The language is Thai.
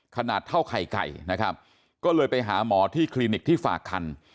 ขนาดเท่าไข่ไก่นะครับก็เลยไปหาหมอที่คลินิกที่ฝากคัน